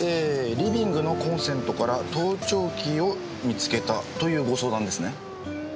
「リビングのコンセントから盗聴器を見つけた」というご相談ですね？